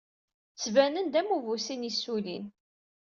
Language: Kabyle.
Ttbanen-d am ubusin yessullin.